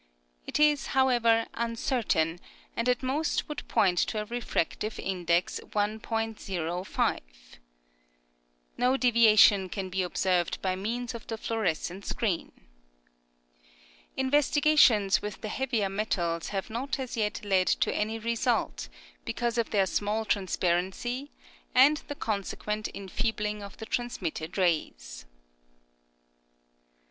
It is, however, uncertain, and at most would Febeuaey 14, 1896.] SCIENCE. 229 point to a refractive index 1.05. No devia tion can be observed by means of the fluo rescent screen. Investigations with the heavier metals have not as yet led to any result, because of their small transparency and the consequent enfeebling of the trans mitted rays.